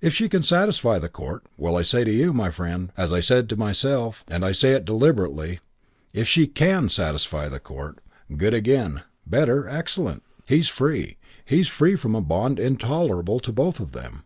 If she can satisfy the court, well, I say to you, my friend, as I said then to myself, and I say it deliberately: 'If she can satisfy the court good again, better, excellent. He's free: he's free from a bond intolerable to both of them.'